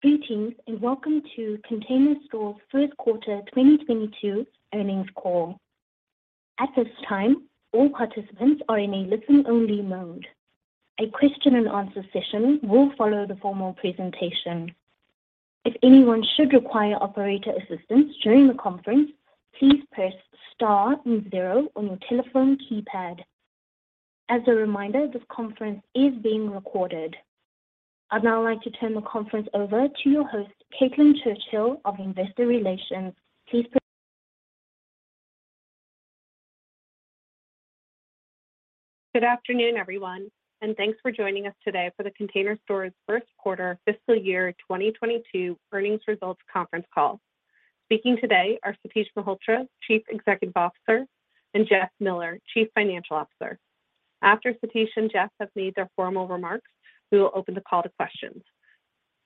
Greetings, and welcome to The Container Store first quarter 2022 earnings call. At this time, all participants are in a listen-only mode. A question and answer session will follow the formal presentation. If anyone should require operator assistance during the conference, please press star zero on your telephone keypad. As a reminder, this conference is being recorded. I'd now like to turn the conference over to your host, Caitlin Churchill of Investor Relations. Please press- Good afternoon, everyone, and thanks for joining us today for The Container Store's first quarter fiscal year 2022 earnings results conference call. Speaking today are Satish Malhotra, Chief Executive Officer, and Jeff Miller, Chief Financial Officer. After Satish and Jeff have made their formal remarks, we will open the call to questions.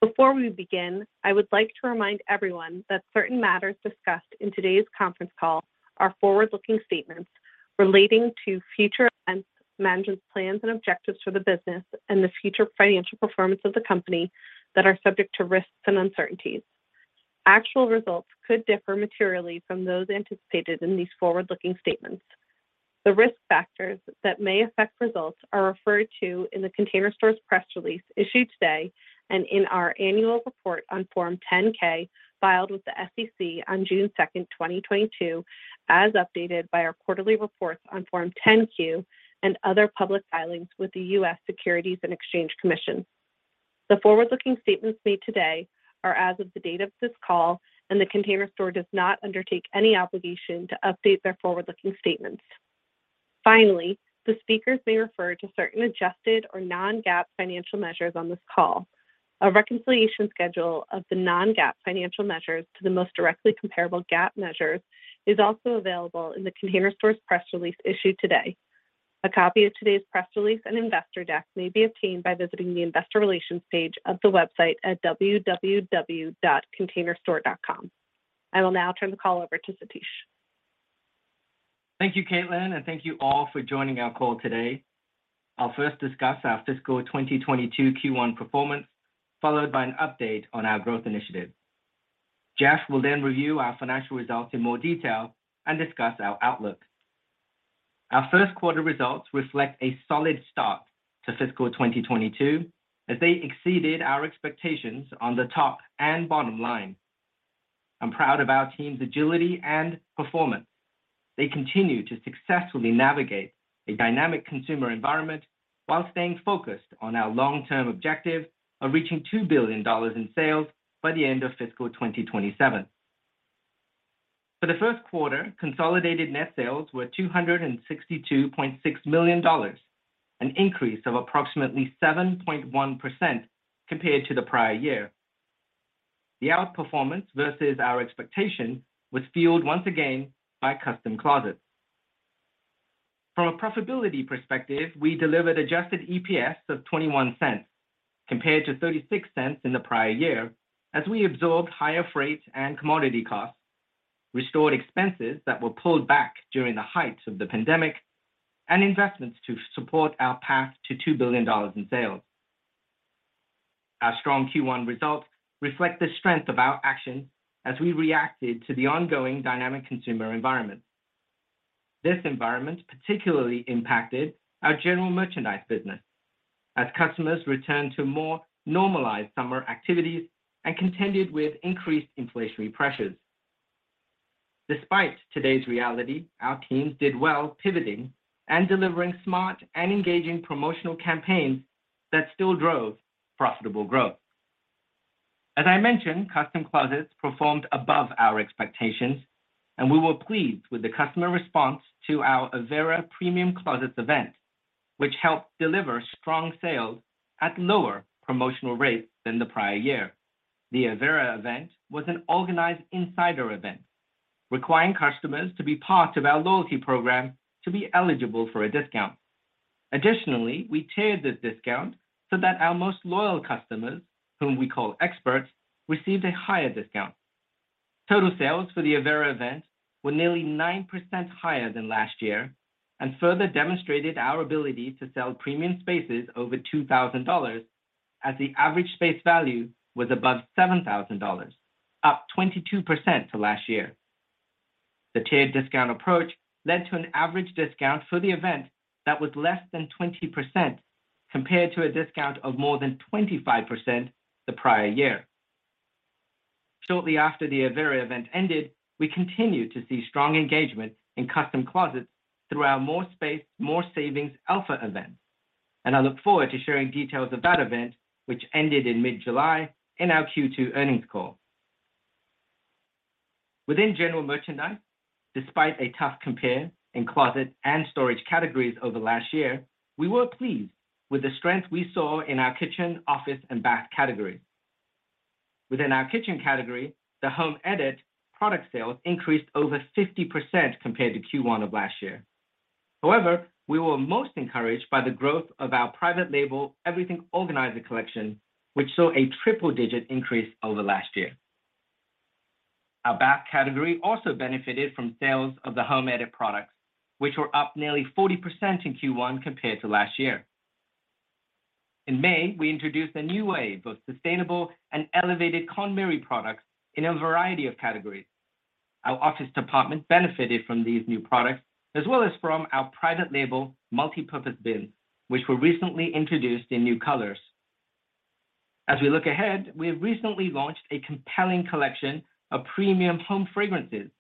Before we begin, I would like to remind everyone that certain matters discussed in today's conference call are forward-looking statements relating to future events, management's plans and objectives for the business, and the future financial performance of the company that are subject to risks and uncertainties. Actual results could differ materially from those anticipated in these forward-looking statements. The risk factors that may affect results are referred to in The Container Store's press release issued today and in our annual report on Form 10-K filed with the SEC on June 2, 2022, as updated by our quarterly reports on Form 10-Q and other public filings with the U.S. Securities and Exchange Commission. The forward-looking statements made today are as of the date of this call, and The Container Store does not undertake any obligation to update their forward-looking statements. Finally, the speakers may refer to certain adjusted or non-GAAP financial measures on this call. A reconciliation schedule of the non-GAAP financial measures to the most directly comparable GAAP measures is also available in The Container Store's press release issued today. A copy of today's press release and investor deck may be obtained by visiting the investor relations page of the website at www.containerstore.com. I will now turn the call over to Satish. Thank you, Caitlin, and thank you all for joining our call today. I'll first discuss our fiscal 2022 Q1 performance, followed by an update on our growth initiative. Jeff will then review our financial results in more detail and discuss our outlook. Our first quarter results reflect a solid start to fiscal 2022, as they exceeded our expectations on the top and bottom line. I'm proud of our team's agility and performance. They continue to successfully navigate a dynamic consumer environment while staying focused on our long-term objective of reaching $2 billion in sales by the end of fiscal 2027. For the first quarter, consolidated net sales were $262.6 million, an increase of approximately 7.1% compared to the prior year. The outperformance versus our expectation was fueled once again by Custom Closets. From a profitability perspective, we delivered adjusted EPS of $0.21 compared to $0.36 in the prior year as we absorbed higher freight and commodity costs, restored expenses that were pulled back during the height of the pandemic, and investments to support our path to $2 billion in sales. Our strong Q1 results reflect the strength of our action as we reacted to the ongoing dynamic consumer environment. This environment particularly impacted our general merchandise business as customers returned to more normalized summer activities and contended with increased inflationary pressures. Despite today's reality, our teams did well pivoting and delivering smart and engaging promotional campaigns that still drove profitable growth. As I mentioned, Custom Closets performed above our expectations, and we were pleased with the customer response to our Avera Premium Closets event, which helped deliver strong sales at lower promotional rates than the prior year. The Avera event was an Organized Insider event, requiring customers to be part of our loyalty program to be eligible for a discount. Additionally, we tiered the discount so that our most loyal customers, whom we call experts, received a higher discount. Total sales for the Avera event were nearly 9% higher than last year and further demonstrated our ability to sell premium spaces over $2,000, as the average space value was above $7,000, up 22% from last year. The tiered discount approach led to an average discount for the event that was less than 20% compared to a discount of more than 25% the prior year. Shortly after the Avera event ended, we continued to see strong engagement in Custom Closets through our More Space, More Savings Elfa event, and I look forward to sharing details of that event, which ended in mid-July, in our Q2 earnings call. Within general merchandise, despite a tough compare in closet and storage categories over last year, we were pleased with the strength we saw in our kitchen, office, and bath category. Within our kitchen category, The Home Edit product sales increased over 50% compared to Q1 of last year. However, we were most encouraged by the growth of our private label Everything Organizer collection, which saw a triple-digit increase over last year. Our bath category also benefited from sales of The Home Edit products, which were up nearly 40% in Q1 compared to last year. In May, we introduced a new wave of sustainable and elevated KonMari products in a variety of categories. Our office department benefited from these new products, as well as from our private label multipurpose bins, which were recently introduced in new colors. As we look ahead, we have recently launched a compelling collection of premium home fragrances,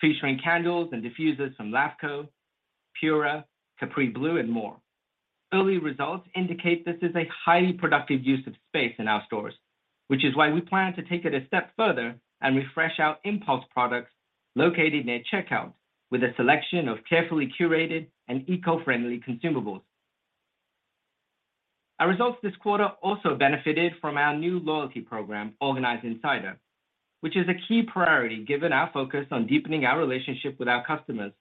featuring candles and diffusers from LAFCO, Pura, Capri Blue and more. Early results indicate this is a highly productive use of space in our stores, which is why we plan to take it a step further and refresh our impulse products located near checkout with a selection of carefully curated and eco-friendly consumables. Our results this quarter also benefited from our new loyalty program, Organized Insider, which is a key priority given our focus on deepening our relationship with our customers.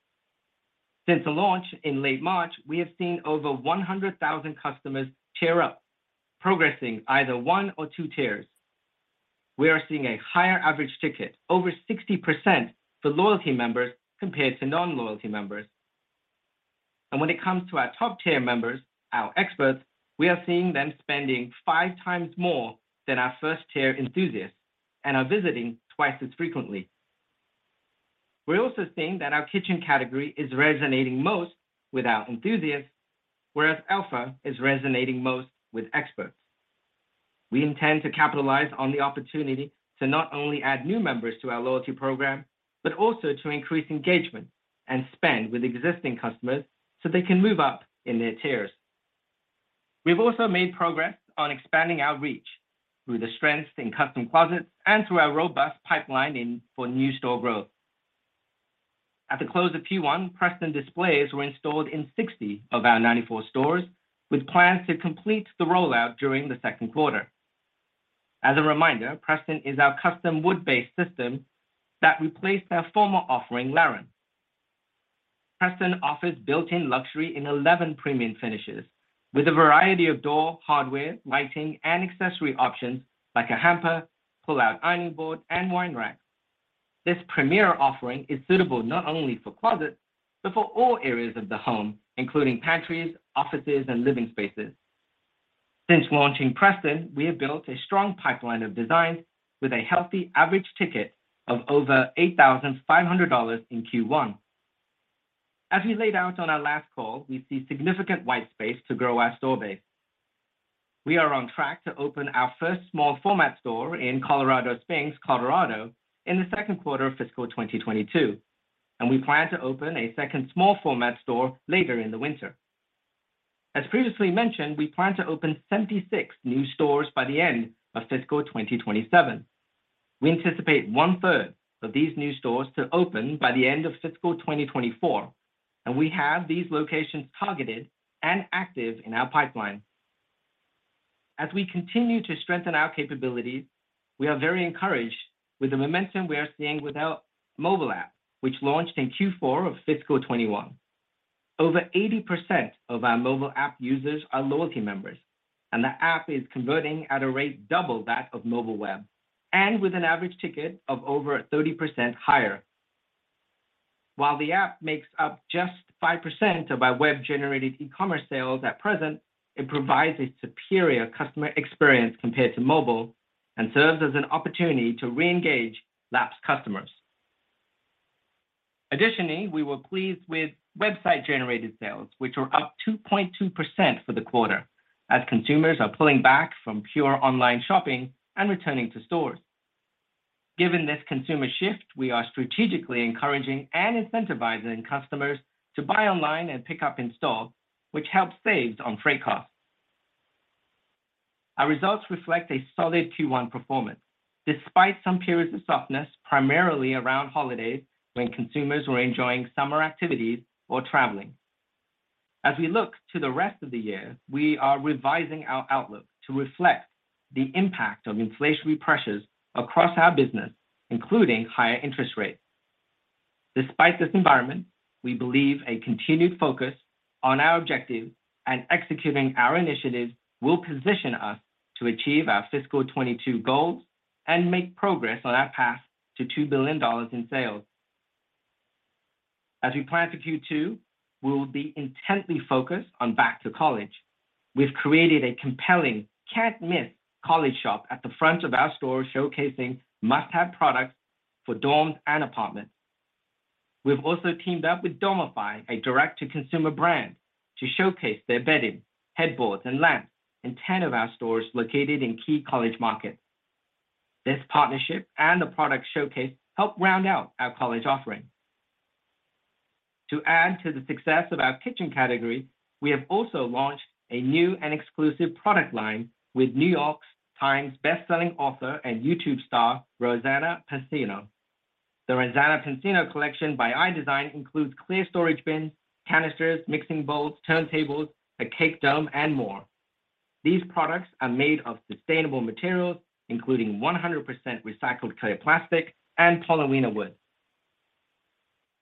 Since the launch in late March, we have seen over 100,000 customers tier up, progressing either 1 or 2 tiers. We are seeing a higher average ticket, over 60% for loyalty members compared to non-loyalty members. When it comes to our top tier members, our experts, we are seeing them spending 5 times more than our first tier enthusiasts and are visiting 2 times as frequently. We're also seeing that our kitchen category is resonating most with our enthusiasts, whereas Elfa is resonating most with experts. We intend to capitalize on the opportunity to not only add new members to our loyalty program, but also to increase engagement and spend with existing customers so they can move up in their tiers. We've also made progress on expanding our reach through the strength in Custom Closets and through our robust pipeline for new store growth. At the close of Q1, Preston displays were installed in 60 of our 94 stores, with plans to complete the rollout during the second quarter. As a reminder, Preston is our custom wood-based system that replaced our former offering, Laren. Preston offers built-in luxury in 11 premium finishes with a variety of door hardware, lighting, and accessory options like a hamper, pull-out ironing board, and wine rack. This premier offering is suitable not only for closets, but for all areas of the home, including pantries, offices, and living spaces. Since launching Preston, we have built a strong pipeline of designs with a healthy average ticket of over $8,500 in Q1. As we laid out on our last call, we see significant white space to grow our store base. We are on track to open our first small format store in Colorado Springs, Colorado in the second quarter of fiscal 2022, and we plan to open a second small format store later in the winter. As previously mentioned, we plan to open 76 new stores by the end of fiscal 2027. We anticipate one third of these new stores to open by the end of fiscal 2024, and we have these locations targeted and active in our pipeline. As we continue to strengthen our capabilities, we are very encouraged with the momentum we are seeing with our mobile app, which launched in Q4 of fiscal 2021. Over 80% of our mobile app users are loyalty members, and the app is converting at a rate double that of mobile web, and with an average ticket of over 30% higher. While the app makes up just 5% of our web-generated e-commerce sales at present, it provides a superior customer experience compared to mobile and serves as an opportunity to re-engage lapsed customers. Additionally, we were pleased with website-generated sales, which were up 2.2% for the quarter as consumers are pulling back from pure online shopping and returning to stores. Given this consumer shift, we are strategically encouraging and incentivizing customers to buy online and pick up in store, which helps save on freight costs. Our results reflect a solid Q1 performance, despite some periods of softness, primarily around holidays when consumers were enjoying summer activities or traveling. As we look to the rest of the year, we are revising our outlook to reflect the impact of inflationary pressures across our business, including higher interest rates. Despite this environment, we believe a continued focus on our objective and executing our initiatives will position us to achieve our fiscal 2022 goals and make progress on our path to $2 billion in sales. As we plan for Q2, we will be intently focused on back to college. We've created a compelling, can't-miss college shop at the front of our store showcasing must-have products for dorms and apartments. We've also teamed up with Dormify, a direct-to-consumer brand, to showcase their bedding, headboards, and lamps in 10 of our stores located in key college markets. This partnership and the product showcase help round out our college offering. To add to the success of our kitchen category, we have also launched a new and exclusive product line with New York Times bestselling author and YouTube star, Rosanna Pansino. The Rosanna Pansino collection by iDesign includes clear storage bins, canisters, mixing bowls, turntables, a cake dome, and more. These products are made of sustainable materials, including 100% recycled clear plastic and Paulownia wood.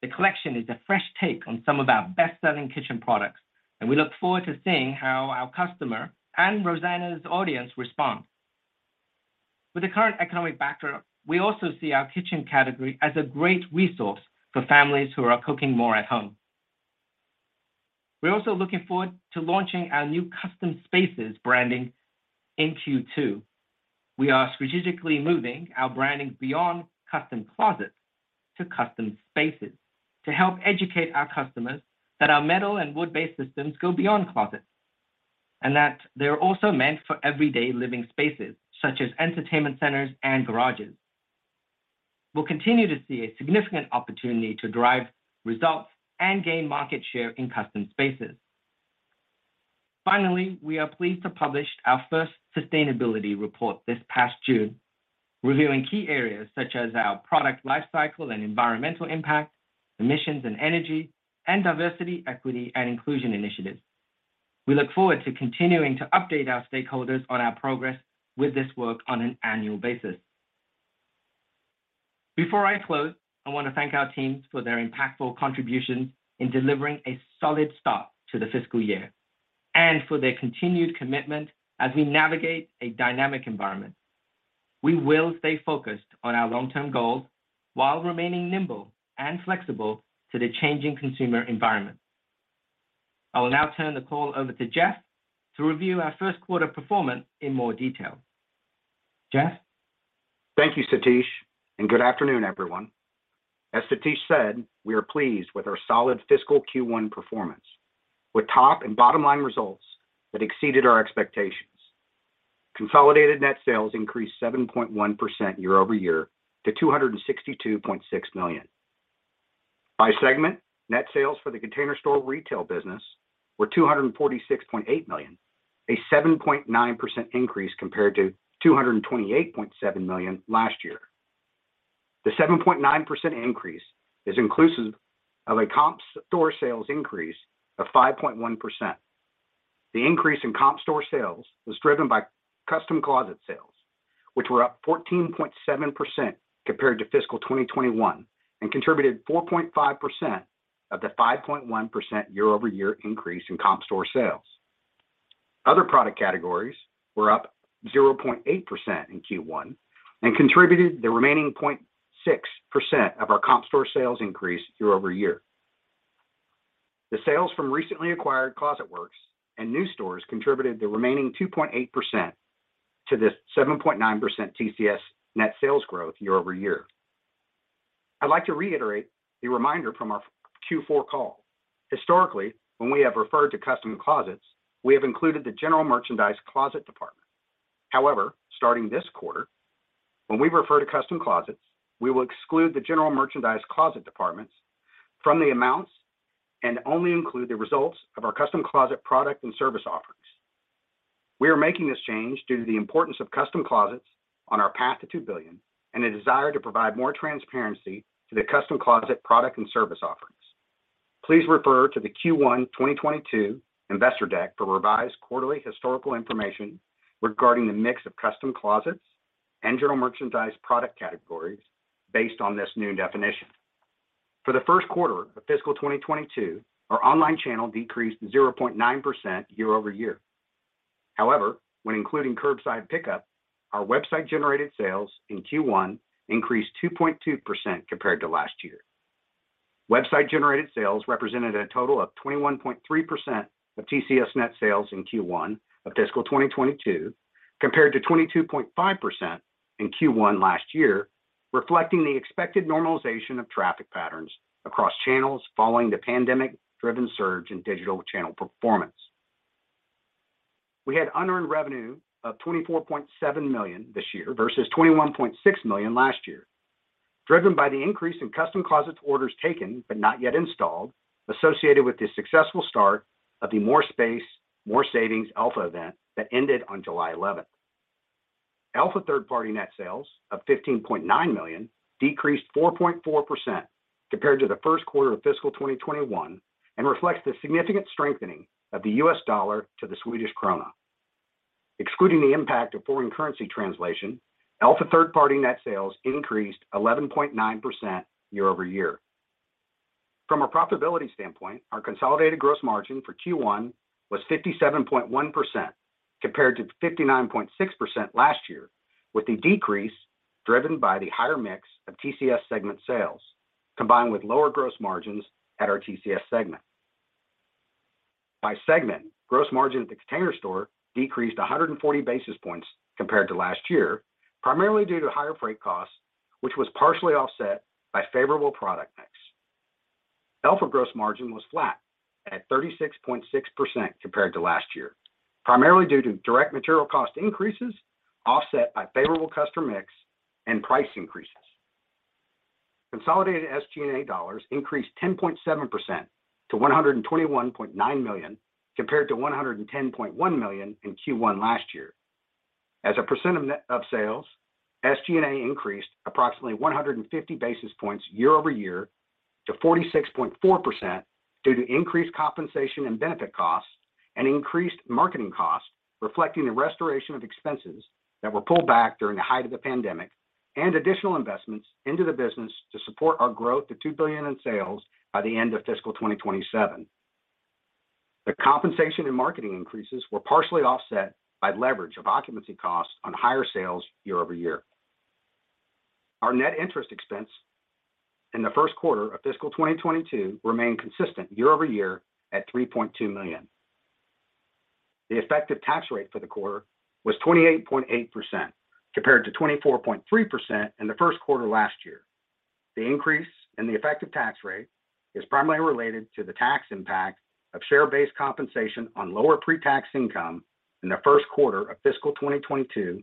The collection is a fresh take on some of our best-selling kitchen products, and we look forward to seeing how our customer and Rosanna's audience respond. With the current economic backdrop, we also see our kitchen category as a great resource for families who are cooking more at home. We're also looking forward to launching our new Custom Spaces branding in Q2. We are strategically moving our branding beyond Custom Closets to Custom Spaces to help educate our customers that our metal and wood-based systems go beyond closets, and that they're also meant for everyday living spaces, such as entertainment centers and garages. We'll continue to see a significant opportunity to drive results and gain market share in Custom Spaces. Finally, we are pleased to publish our first sustainability report this past June, reviewing key areas such as our product life cycle and environmental impact, emissions and energy, and diversity, equity, and inclusion initiatives. We look forward to continuing to update our stakeholders on our progress with this work on an annual basis. Before I close, I want to thank our teams for their impactful contributions in delivering a solid start to the fiscal year and for their continued commitment as we navigate a dynamic environment. We will stay focused on our long-term goals while remaining nimble and flexible to the changing consumer environment. I will now turn the call over to Jeff to review our first quarter performance in more detail. Jeff? Thank you, Satish, and good afternoon, everyone. As Satish said, we are pleased with our solid fiscal Q1 performance, with top and bottom line results that exceeded our expectations. Consolidated net sales increased 7.1% year-over-year to $262.6 million. By segment, net sales for The Container Store retail business were $246.8 million, a 7.9% increase compared to $228.7 million last year. The 7.9% increase is inclusive of a comp store sales increase of 5.1%. The increase in comp store sales was driven by custom closet sales, which were up 14.7% compared to fiscal 2021 and contributed 4.5% of the 5.1% year-over-year increase in comp store sales. Other product categories were up 0.8% in Q1 and contributed the remaining 0.6% of our comp store sales increase year-over-year. The sales from recently acquired Closet Works and new stores contributed the remaining 2.8% to this 7.9% TCS net sales growth year-over-year. I'd like to reiterate a reminder from our Q4 call. Historically, when we have referred to custom closets, we have included the general merchandise closet department. However, starting this quarter, when we refer to custom closets, we will exclude the general merchandise closet departments from the amounts and only include the results of our custom closet product and service offerings. We are making this change due to the importance of custom closets on our path to $2 billion and a desire to provide more transparency to the custom closet product and service offerings. Please refer to the Q1 2022 investor deck for revised quarterly historical information regarding the mix of Custom Closets and general merchandise product categories based on this new definition. For the first quarter of fiscal 2022, our online channel decreased 0.9% year-over-year. However, when including curbside pickup, our website-generated sales in Q1 increased 2.2% compared to last year. Website-generated sales represented a total of 21.3% of TCS net sales in Q1 of fiscal 2022, compared to 22.5% in Q1 last year, reflecting the expected normalization of traffic patterns across channels following the pandemic-driven surge in digital channel performance. We had unearned revenue of $24.7 million this year versus $21.6 million last year, driven by the increase in Custom Closets orders taken but not yet installed, associated with the successful start of the More Space, More Savings Elfa event that ended on July 11. Elfa third-party net sales of $15.9 million decreased 4.4% compared to the first quarter of fiscal 2021 and reflects the significant strengthening of the U.S. dollar to the Swedish krona. Excluding the impact of foreign currency translation, Elfa third-party net sales increased 11.9% year-over-year. From a profitability standpoint, our consolidated gross margin for Q1 was 57.1% compared to 59.6% last year, with the decrease driven by the higher mix of TCS segment sales combined with lower gross margins at our TCS segment. By segment, gross margin at The Container Store decreased 140 basis points compared to last year, primarily due to higher freight costs, which was partially offset by favorable product mix. Elfa gross margin was flat at 36.6% compared to last year, primarily due to direct material cost increases offset by favorable customer mix and price increases. Consolidated SG&A dollars increased 10.7% to $121.9 million, compared to $110.1 million in Q1 last year. As a percent of net sales, SG&A increased approximately 150 basis points year-over-year to 46.4% due to increased compensation and benefit costs and increased marketing costs reflecting the restoration of expenses that were pulled back during the height of the pandemic and additional investments into the business to support our growth to $2 billion in sales by the end of fiscal 2027. The compensation and marketing increases were partially offset by leverage of occupancy costs on higher sales year-over-year. Our net interest expense in the first quarter of fiscal 2022 remained consistent year-over-year at $3.2 million. The effective tax rate for the quarter was 28.8%, compared to 24.3% in the first quarter last year. The increase in the effective tax rate is primarily related to the tax impact of share-based compensation on lower pre-tax income in the first quarter of fiscal 2022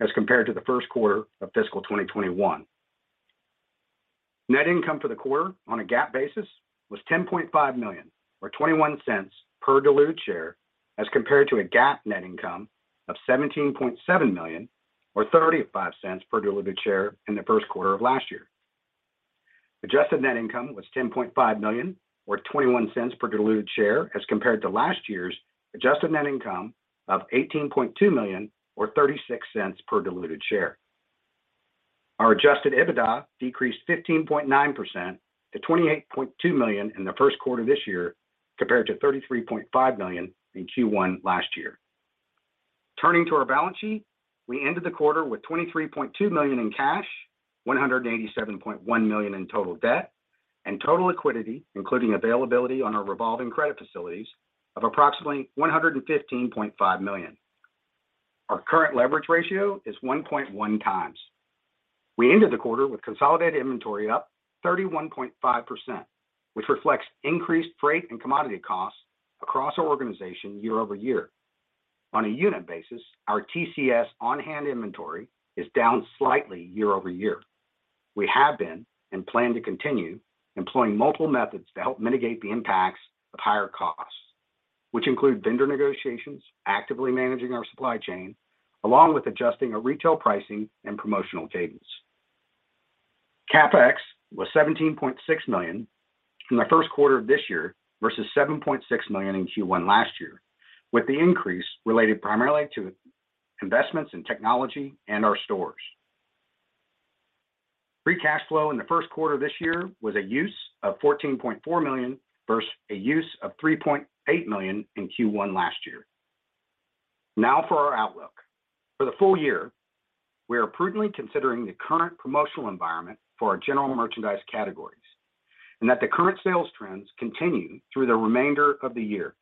as compared to the first quarter of fiscal 2021. Net income for the quarter on a GAAP basis was $10.5 million or $0.21 per diluted share as compared to a GAAP net income of $17.7 million or $0.35 per diluted share in the first quarter of last year. Adjusted net income was $10.5 million or $0.21 per diluted share as compared to last year's adjusted net income of $18.2 million or $0.36 per diluted share. Our adjusted EBITDA decreased 15.9% to $28.2 million in the first quarter this year, compared to $33.5 million in Q1 last year. Turning to our balance sheet, we ended the quarter with $23.2 million in cash, $187.1 million in total debt, and total liquidity, including availability on our revolving credit facilities of approximately $115.5 million. Our current leverage ratio is 1.1 times. We ended the quarter with consolidated inventory up 31.5%, which reflects increased freight and commodity costs across our organization year-over-year. On a unit basis, our TCS on-hand inventory is down slightly year-over-year. We have been and plan to continue employing multiple methods to help mitigate the impacts of higher costs, which include vendor negotiations, actively managing our supply chain, along with adjusting our retail pricing and promotional cadence. CapEx was $17.6 million in the first quarter of this year versus $7.6 million in Q1 last year, with the increase related primarily to investments in technology and our stores. Free cash flow in the first quarter this year was a use of $14.4 million versus a use of $3.8 million in Q1 last year. Now for our outlook. For the full year, we are prudently considering the current promotional environment for our general merchandise categories, and that the current sales trends continue through the remainder of the year.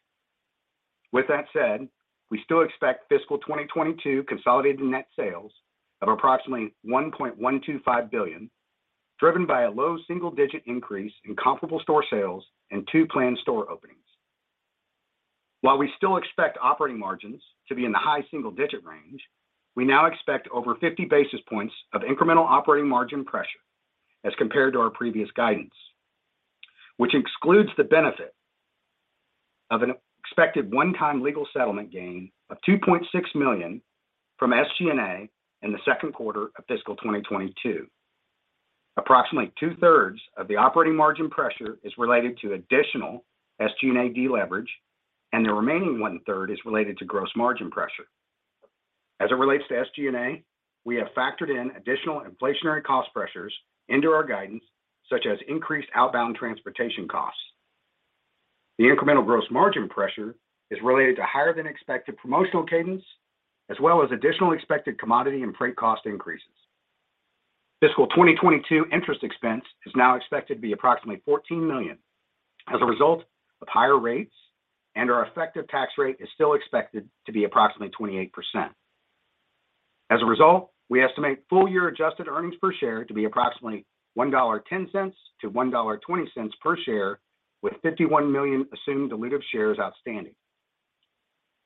With that said, we still expect fiscal 2022 consolidated net sales of approximately $1.125 billion, driven by a low single-digit increase in comparable store sales and two planned store openings. While we still expect operating margins to be in the high single-digit range, we now expect over 50 basis points of incremental operating margin pressure as compared to our previous guidance, which excludes the benefit of an expected one-time legal settlement gain of $2.6 million from SG&A in the second quarter of fiscal 2022. Approximately two-thirds of the operating margin pressure is related to additional SG&A deleverage, and the remaining one-third is related to gross margin pressure. As it relates to SG&A, we have factored in additional inflationary cost pressures into our guidance, such as increased outbound transportation costs. The incremental gross margin pressure is related to higher than expected promotional cadence as well as additional expected commodity and freight cost increases. Fiscal 2022 interest expense is now expected to be approximately $14 million as a result of higher rates, and our effective tax rate is still expected to be approximately 28%. As a result, we estimate full year adjusted earnings per share to be approximately $1.10-$1.20 per share with 51 million assumed dilutive shares outstanding.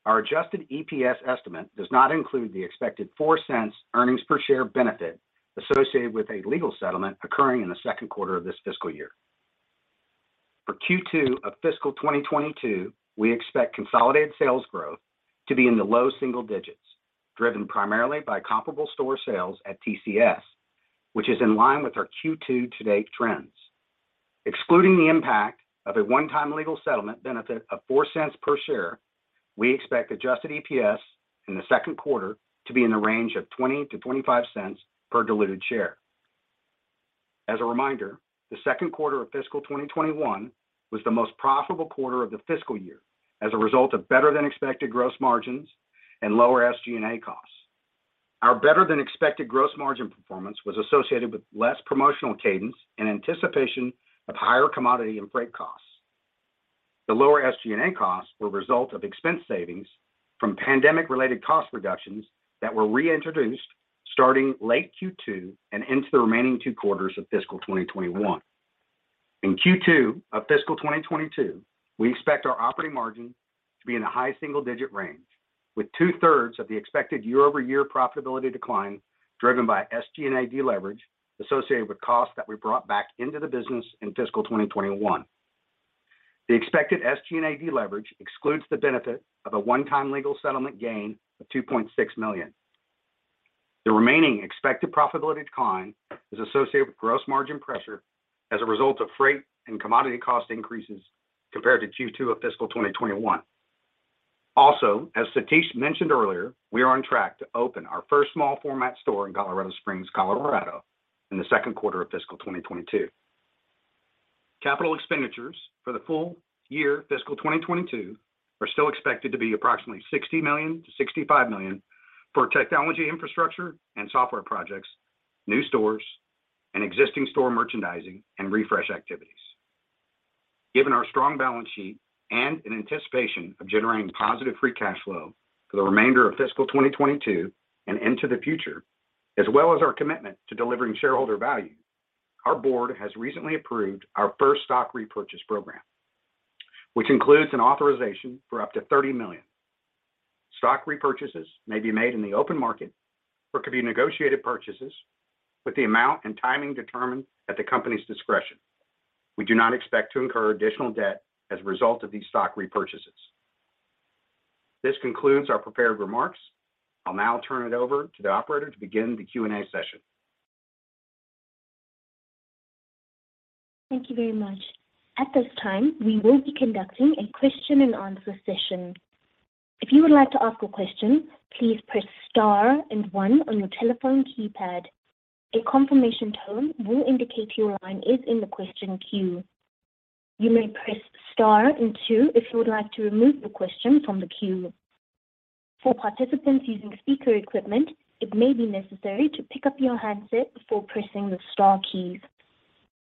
Our adjusted EPS estimate does not include the expected $0.04 earnings per share benefit associated with a legal settlement occurring in the second quarter of this fiscal year. For Q2 of Fiscal 2022, we expect consolidated sales growth to be in the low single digits, driven primarily by comparable store sales at TCS, which is in line with our Q2 to date trends. Excluding the impact of a one-time legal settlement benefit of $0.04 per share, we expect adjusted EPS in the second quarter to be in the range of $0.20-$0.25 per diluted share. As a reminder, the second quarter of fiscal 2021 was the most profitable quarter of the fiscal year as a result of better than expected gross margins and lower SG&A costs. Our better than expected gross margin performance was associated with less promotional cadence in anticipation of higher commodity and freight costs. The lower SG&A costs were a result of expense savings from pandemic-related cost reductions that were reintroduced starting late Q2 and into the remaining two quarters of fiscal 2021. In Q2 of fiscal 2022, we expect our operating margin to be in the high single digit range with two-thirds of the expected year-over-year profitability decline driven by SG&A deleverage associated with costs that we brought back into the business in fiscal 2021. The expected SG&A deleverage excludes the benefit of a one-time legal settlement gain of $2.6 million. The remaining expected profitability decline is associated with gross margin pressure as a result of freight and commodity cost increases compared to Q2 of fiscal 2021. Also, as Satish mentioned earlier, we are on track to open our first small format store in Colorado Springs, Colorado in the second quarter of fiscal 2022. Capital expenditures for the full year fiscal 2022 are still expected to be approximately $60 million-$65 million for technology infrastructure and software projects, new stores, and existing store merchandising and refresh activities. Given our strong balance sheet and in anticipation of generating positive free cash flow for the remainder of fiscal 2022 and into the future, as well as our commitment to delivering shareholder value, our board has recently approved our first stock repurchase program, which includes an authorization for up to $30 million. Stock repurchases may be made in the open market or could be negotiated purchases with the amount and timing determined at the company's discretion. We do not expect to incur additional debt as a result of these stock repurchases. This concludes our prepared remarks. I'll now turn it over to the operator to begin the Q&A session. Thank you very much. At this time, we will be conducting a question and answer session. If you would like to ask a question, please press star and one on your telephone keypad. A confirmation tone will indicate your line is in the question queue. You may press star and two if you would like to remove your question from the queue. For participants using speaker equipment, it may be necessary to pick up your handset before pressing the star keys.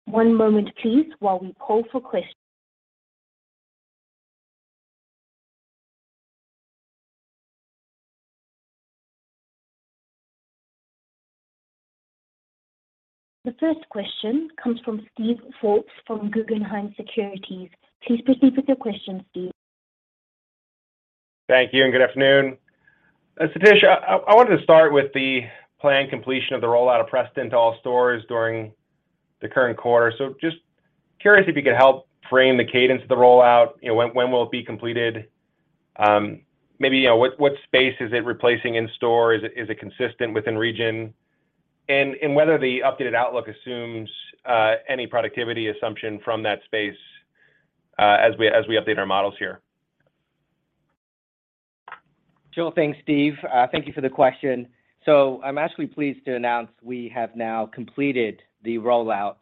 One moment please while we poll for questions. The first question comes from Steven Forbes from Guggenheim Securities. Please proceed with your question, Steve. Thank you and good afternoon. Satish, I wanted to start with the planned completion of the rollout of Preston to all stores during the current quarter. Just curious if you could help frame the cadence of the rollout. You know, when will it be completed? Maybe, you know, what space is it replacing in stores? Is it consistent within region? Whether the updated outlook assumes any productivity assumption from that space as we update our models here. Sure thing, Steve. Thank you for the question. I'm actually pleased to announce we have now completed the rollout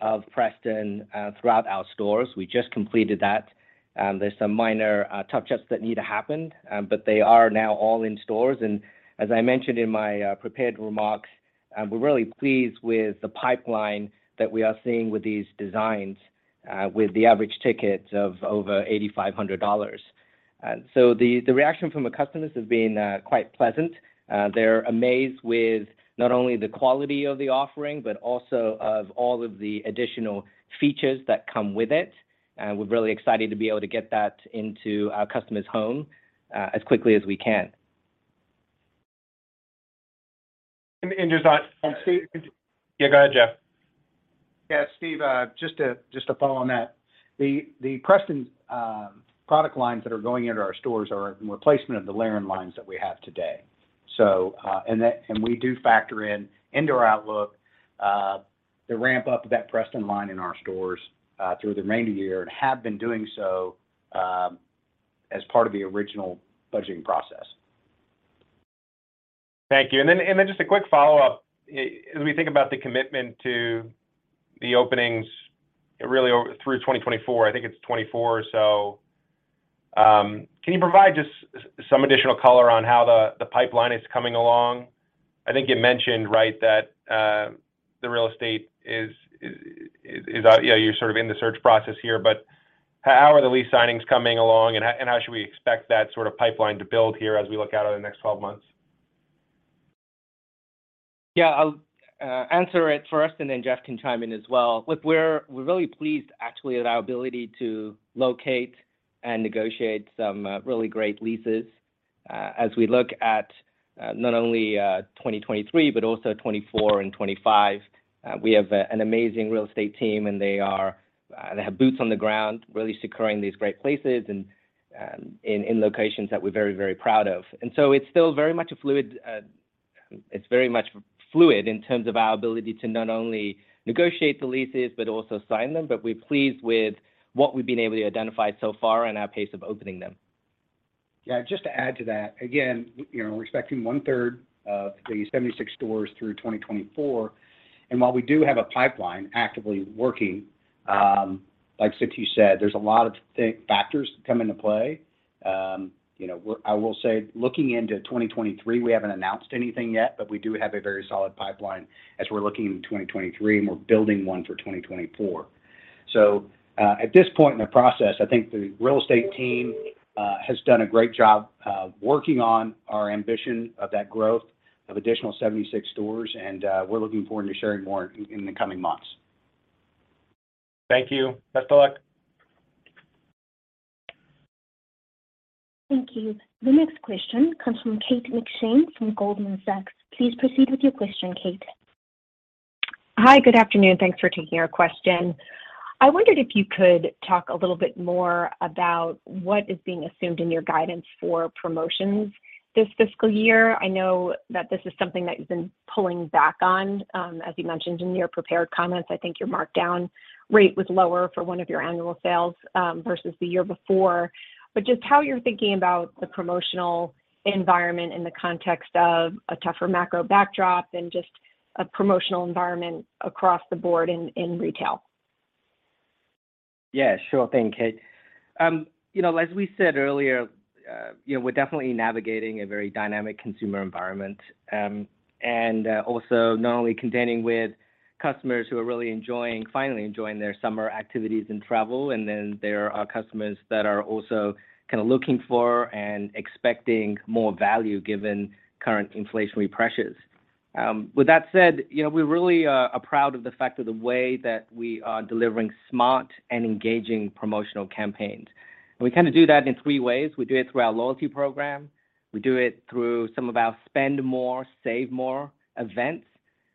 of Preston throughout our stores. We just completed that. There's some minor touch-ups that need to happen, but they are now all in stores. As I mentioned in my prepared remarks, we're really pleased with the pipeline that we are seeing with these designs with the average ticket of over $8,500. The reaction from the customers has been quite pleasant. They're amazed with not only the quality of the offering but also of all of the additional features that come with it. We're really excited to be able to get that into our customer's home as quickly as we can. Just on Steve. Yeah, go ahead, Jeff. Yeah, Steve, just to follow on that, the Preston product lines that are going into our stores are in replacement of the Laren lines that we have today. We do factor in into our outlook the ramp-up of that Preston line in our stores through the remainder of the year and have been doing so as part of the original budgeting process. Thank you. Just a quick follow-up. As we think about the commitment to the openings really over through 2024, I think it's 2024. Can you provide just some additional color on how the pipeline is coming along? I think you mentioned, right, that the real estate is yeah, you're sort of in the search process here, but how are the lease signings coming along, and how should we expect that sort of pipeline to build here as we look out over the next 12 months? Yeah, I'll answer it first, and then Jeff can chime in as well. Look, we're really pleased actually at our ability to locate and negotiate some really great leases as we look at not only 2023 but also 2024 and 2025. We have an amazing real estate team, and they have boots on the ground really securing these great places and in locations that we're very proud of. It's still very much fluid in terms of our ability to not only negotiate the leases but also sign them, but we're pleased with what we've been able to identify so far and our pace of opening them. Yeah, just to add to that, again, you know, we're expecting one-third of the 76 stores through 2024. While we do have a pipeline actively working, like Satish said, there's a lot of factors that come into play. You know, I will say looking into 2023, we haven't announced anything yet, but we do have a very solid pipeline as we're looking into 2023, and we're building one for 2024. At this point in the process, I think the real estate team has done a great job working on our ambition of that growth of additional 76 stores, and we're looking forward to sharing more in the coming months. Thank you. Best of luck. Thank you. The next question comes from Kate McShane from Goldman Sachs. Please proceed with your question, Kate. Hi. Good afternoon. Thanks for taking our question. I wondered if you could talk a little bit more about what is being assumed in your guidance for promotions this fiscal year. I know that this is something that you've been pulling back on, as you mentioned in your prepared comments. I think your markdown rate was lower for one of your annual sales, versus the year before. Just how you're thinking about the promotional environment in the context of a tougher macro backdrop and just a promotional environment across the board in retail. Yeah, sure thing, Kate. You know, as we said earlier, you know, we're definitely navigating a very dynamic consumer environment. Also not only contending with customers who are really enjoying, finally enjoying their summer activities and travel, and then there are customers that are also kind of looking for and expecting more value given current inflationary pressures. With that said, you know, we really are proud of the fact of the way that we are delivering smart and engaging promotional campaigns. We kind of do that in three ways. We do it through our loyalty program, we do it through some of our spend more, save more events,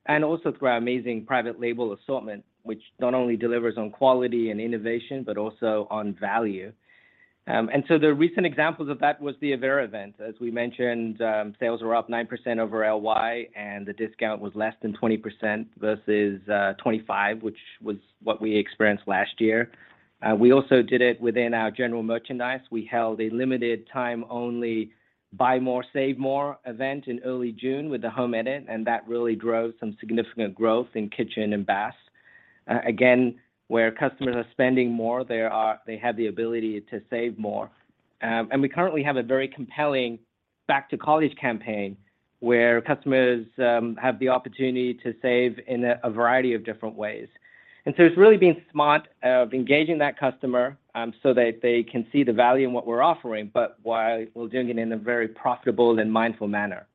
and also through our amazing private label assortment, which not only delivers on quality and innovation, but also on value. The recent examples of that was the Avera event. As we mentioned, sales were up 9% over LY, and the discount was less than 20% versus 25, which was what we experienced last year. We also did it within our general merchandise. We held a limited time only buy more, save more event in early June with The Home Edit, and that really drove some significant growth in kitchen and bath. Again, where customers are spending more, they have the ability to save more. We currently have a very compelling back to college campaign where customers have the opportunity to save in a variety of different ways. It's really being smart of engaging that customer so that they can see the value in what we're offering, but while we're doing it in a very profitable and mindful manner.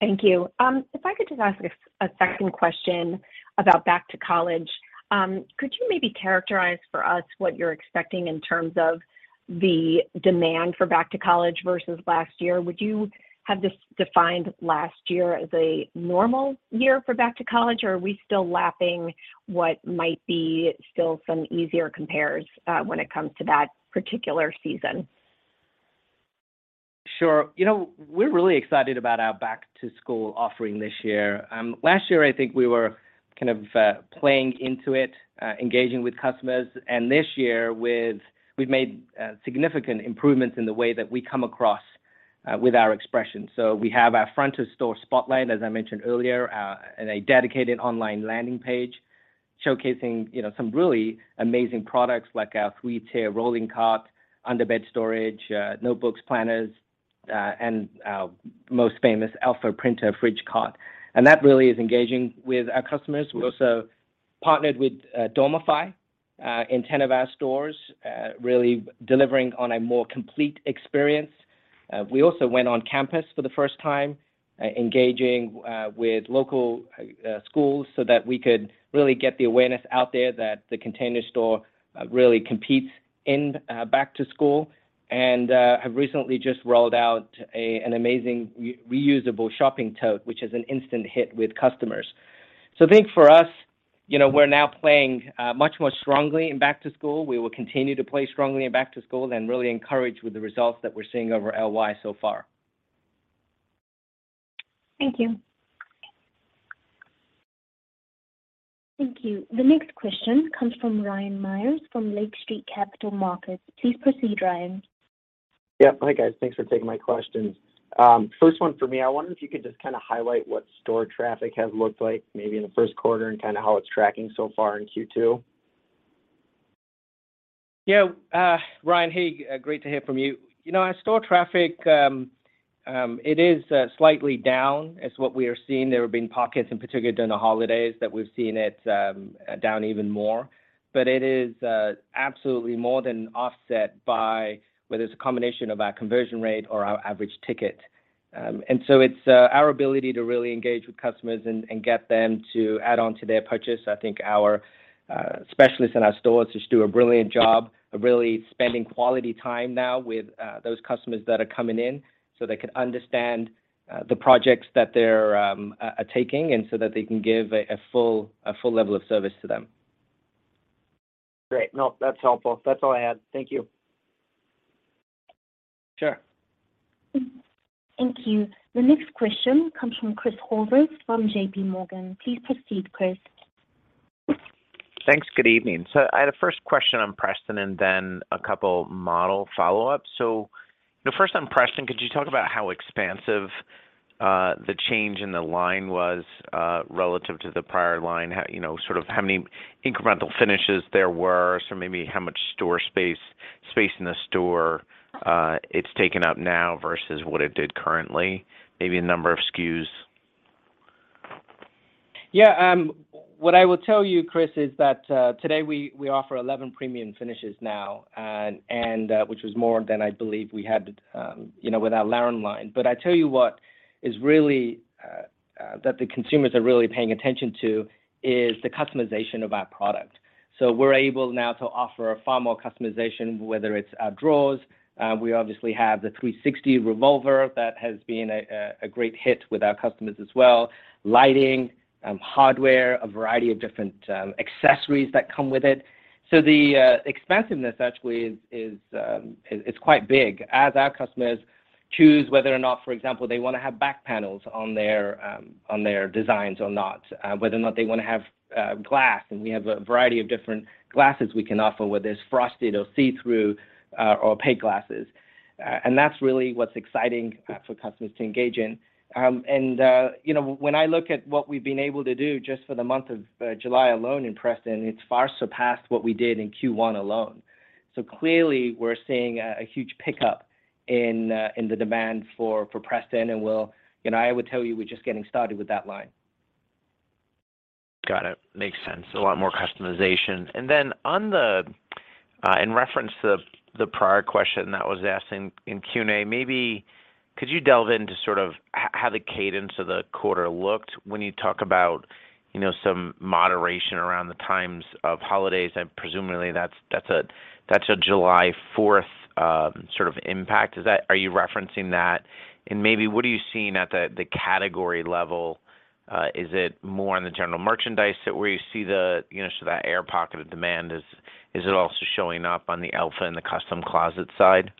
Thank you. If I could just ask a second question about back to college. Could you maybe characterize for us what you're expecting in terms of the demand for back to college versus last year? Would you have just defined last year as a normal year for back to college, or are we still lapping what might be still some easier compares, when it comes to that particular season? Sure. You know, we're really excited about our back to school offering this year. Last year I think we were kind of playing into it, engaging with customers. This year we've made significant improvements in the way that we come across with our expression. We have our front of store spotlight, as I mentioned earlier, and a dedicated online landing page showcasing, you know, some really amazing products like our three-tier rolling cart, underbed storage, notebooks, planners, and our most famous Elfa utility fridge cart. That really is engaging with our customers. We also partnered with Dormify in 10 of our stores, really delivering on a more complete experience. We also went on campus for the first time, engaging with local schools so that we could really get the awareness out there that The Container Store really competes in back to school, and have recently just rolled out an amazing reusable shopping tote, which is an instant hit with customers. I think for us, you know, we're now playing much more strongly in back to school. We will continue to play strongly in back to school and really encouraged with the results that we're seeing over LY so far. Thank you. Thank you. The next question comes from Ryan Meyers from Lake Street Capital Markets. Please proceed, Ryan. Yeah. Hi, guys. Thanks for taking my questions. First one for me, I wonder if you could just kind of highlight what store traffic has looked like maybe in the first quarter and kind of how it's tracking so far in Q2. Yeah. Ryan, hey, great to hear from you. You know, our store traffic, it is slightly down is what we are seeing. There have been pockets in particular during the holidays that we've seen it down even more. It is absolutely more than offset by whether it's a combination of our conversion rate or our average ticket. So it's our ability to really engage with customers and get them to add on to their purchase. I think our specialists in our stores just do a brilliant job of really spending quality time now with those customers that are coming in, so they can understand the projects that they're taking and so that they can give a full level of service to them. Great. No, that's helpful. That's all I had. Thank you. Sure. Thank you. The next question comes from Christopher Horvers from JPMorgan. Please proceed, Chris. Thanks. Good evening. I had a first question on Preston and then a couple model follow-ups. You know, first on Preston, could you talk about how expansive the change in the line was relative to the prior line? You know, sort of how many incremental finishes there were. Maybe how much store space in the store it's taken up now versus what it did currently, maybe a number of SKUs. Yeah. What I will tell you, Chris, is that today we offer 11 premium finishes now and which was more than I believe we had, you know, with our Laren line. I tell you what is really that the consumers are really paying attention to is the customization of our product. We're able now to offer far more customization, whether it's our drawers, we obviously have the 360 Organizer that has been a great hit with our customers as well, lighting, hardware, a variety of different accessories that come with it. The expansiveness actually is quite big as our customers choose whether or not, for example, they wanna have back panels on their designs or not, whether or not they wanna have glass, and we have a variety of different glasses we can offer, whether it's frosted or see-through or opaque glasses. That's really what's exciting for customers to engage in. You know, when I look at what we've been able to do just for the month of July alone in Preston, it's far surpassed what we did in Q1 alone. Clearly we're seeing a huge pickup in the demand for Preston. You know, I would tell you, we're just getting started with that line. Got it. Makes sense. A lot more customization. Then, in reference to the prior question that was asked in Q&A, maybe could you delve into sort of how the cadence of the quarter looked when you talk about, you know, some moderation around the times of holidays and presumably that's a July Fourth, sort of impact. Is that? Are you referencing that? Maybe what are you seeing at the category level? Is it more on the general merchandise than where you see the, you know, so that air pocket of demand, is it also showing up on the Elfa and the Custom Closet side?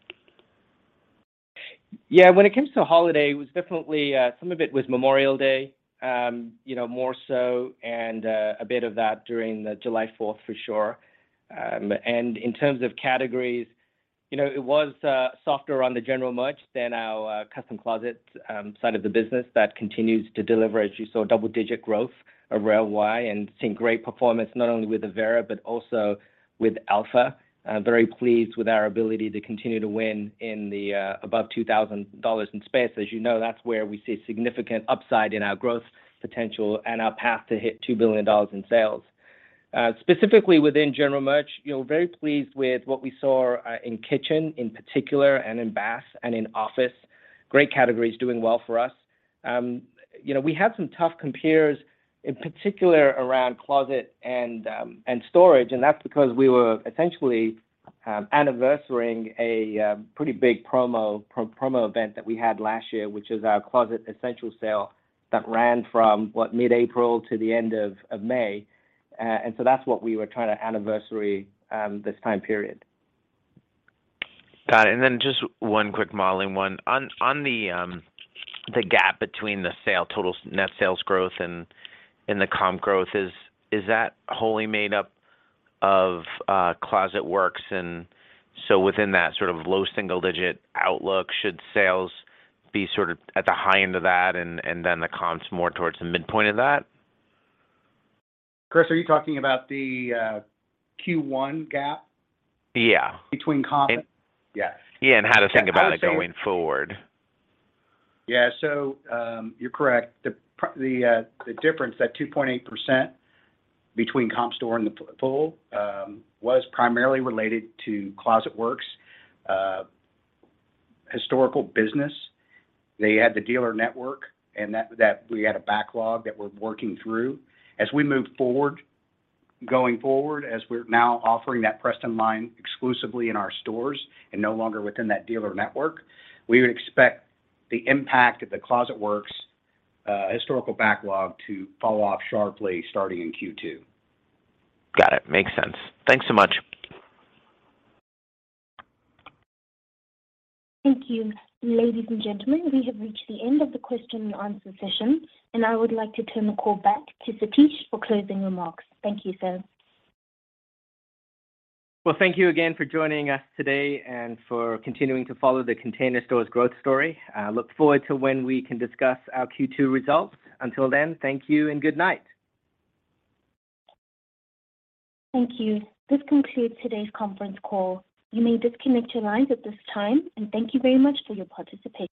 Yeah. When it comes to holiday, it was definitely, some of it was Memorial Day, you know, more so, and a bit of that during the July Fourth for sure. In terms of categories, you know, it was softer on the general merch than our Custom Closets side of the business that continues to deliver, as you saw, double-digit growth year-over-year and seeing great performance not only with Avera, but also with Elfa. Very pleased with our ability to continue to win in the above-$2,000 space. As you know, that's where we see significant upside in our growth potential and our path to hit $2 billion in sales. Specifically within general merch, you know, very pleased with what we saw in kitchen in particular, and in bath and in office. Great categories doing well for us. You know, we had some tough comps, in particular around closet and storage, and that's because we were essentially anniversarying a pretty big promo event that we had last year, which is our Closet Essentials Sale that ran from mid-April to the end of May. That's what we were trying to anniversary this time period. Got it. Just one quick modeling one. On the gap between the total net sales growth and the comp growth, is that wholly made up of Closet Works? Within that sort of low single digit outlook, should sales be sort of at the high end of that and then the comp's more towards the midpoint of that? Chris, are you talking about the Q1 GAAP? Yeah Between comp? Yes. Yeah. How to think about it going forward. You're correct. The difference, that 2.8% between comp store and the whole, was primarily related to Closet Works' historical business. They had the dealer network and that we had a backlog that we're working through. As we move forward, going forward, as we're now offering that Preston line exclusively in our stores and no longer within that dealer network, we would expect the impact of the Closet Works' historical backlog to fall off sharply starting in Q2. Got it. Makes sense. Thanks so much. Thank you. Ladies and gentlemen, we have reached the end of the question and answer session, and I would like to turn the call back to Satish for closing remarks. Thank you, sir. Well, thank you again for joining us today and for continuing to follow The Container Store's growth story. I look forward to when we can discuss our Q2 results. Until then, thank you and good night. Thank you. This concludes today's conference call. You may disconnect your lines at this time, and thank you very much for your participation.